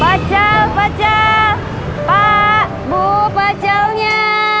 pacel pacel pak bu pacelnya